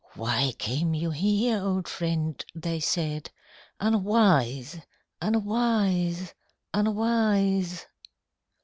"Why came you here, old friend?" they said: "Unwise ... unwise ... unwise!